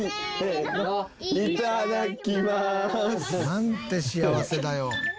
「なんて幸せだよ」